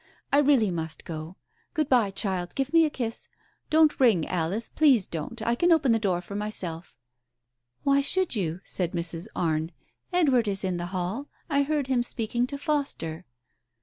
I really must go ! Good bye, child; give me a kiss! Don't ring, Alice. Please don't I I can open the door for myself " "Why should you ?" said Mrs. Arne. "Edward is in the hall ; I heard him speaking to Foster."